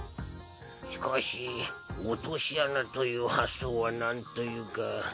しかし落とし穴という発想はなんというか。